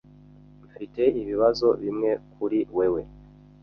Mfite ibibazo bimwe kuri wewe.